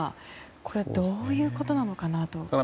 これはどういうことなのかと。